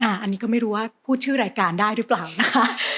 อันนี้ก็ไม่รู้ว่าพูดชื่อรายการได้หรือเปล่านะคะ